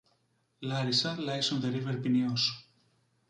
Larissa lies on the river Pineios.